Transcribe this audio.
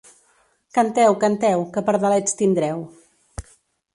Canteu, canteu, que pardalets tindreu.